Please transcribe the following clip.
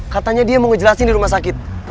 katanya dia mau ngejelasin di rumah sakit